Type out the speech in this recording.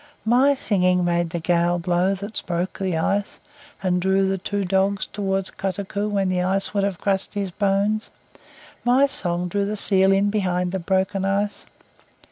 MY singing made the gale blow that broke the ice and drew the two dogs toward Kotuko when the ice would have crushed his bones. MY song drew the seal in behind the broken ice.